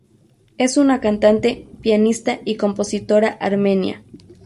Es una cantante, pianista y compositora armenia.